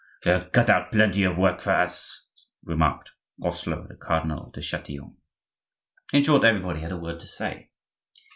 "They'll cut out plenty of work for us," remarked Groslot to Cardinal de Chatillon. In short, everybody had a word to say.